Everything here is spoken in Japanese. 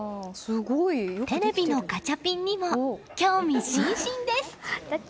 テレビのガチャピンにも興味津々です。